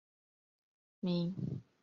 名称来自于梵语的火星。